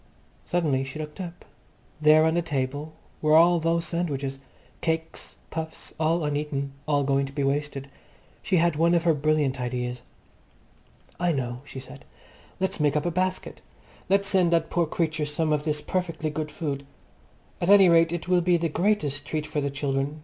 Suddenly she looked up. There on the table were all those sandwiches, cakes, puffs, all uneaten, all going to be wasted. She had one of her brilliant ideas. "I know," she said. "Let's make up a basket. Let's send that poor creature some of this perfectly good food. At any rate, it will be the greatest treat for the children.